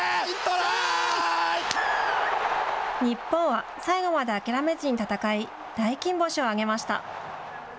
日本は最後まで諦めずに戦い大金星を挙げました。